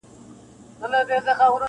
څه به د «میني انتظار» له نامردانو کوو-